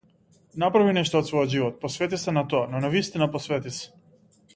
Направи нешто од својот живот, посвети се на тоа, но навистина посвети се.